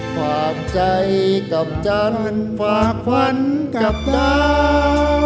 ความใจกับจนฝากฝันกับเจ้า